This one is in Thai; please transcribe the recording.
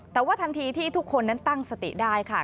แต่ว่าทันทีที่ทุกคนนั้นตั้งสติได้ค่ะ